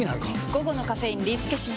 午後のカフェインリスケします！